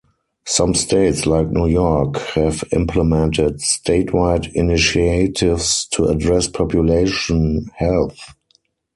Some states, like New York, have implemented statewide initiatives to address population health.